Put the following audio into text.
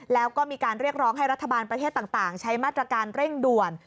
แล้วก็มีการเรียกร้องให้รัฐบาลประเทศต่างใช้มาตรการเร่งด่วน